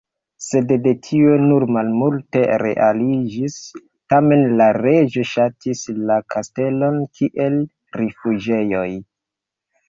Sed de tio nur malmulte realiĝis, tamen la reĝo ŝatis la kastelon kiel rifuĝejon.